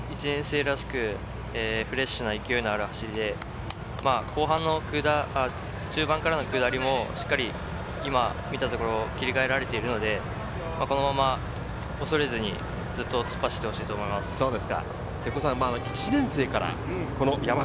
非常に１年生らしくフレッシュな勢いのある走りで、後半の、中盤からの下りも今、見たところ、切り替えられているので、このまま恐れずに、ずっと突っ走ってほしいと思います。